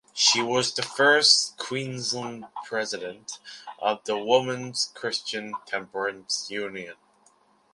She was the first Queensland president of the Woman’s Christian Temperance Union.